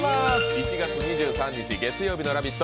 １月２３日月曜日の「ラヴィット！」